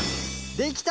できた？